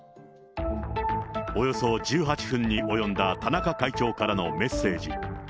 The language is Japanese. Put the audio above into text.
およそ１８分に及んだ田中会長からのメッセージ。